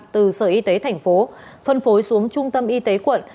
từ sở y tế thành phố phân phối xuống trung tâm y tế quận